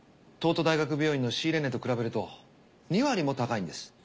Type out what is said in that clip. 東斗大学病院の仕入れ値と比べると２割も高いんです。